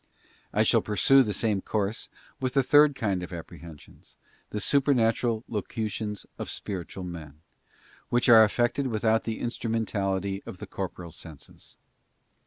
I shall pursue the same course with the third kind of ap prehensions, the Supernatural Locutions of spiritual men, which are effected without the instrumentality of the cor poreal senses.